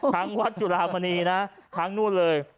ทั้งวัดจุฬาบรรณีทั้งนู่นเลย